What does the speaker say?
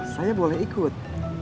saya boleh ikut